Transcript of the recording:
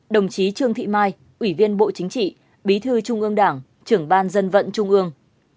đồng chí trương thị mai ủy viên bộ chính trị bí thư trung ương đảng trưởng ban dân vận trung ương